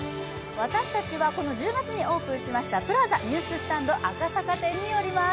私たちはこの１０月にオープンしましたＰＬＡＺＡＮＥＷＳＳＴＡＮＤ赤坂店におります。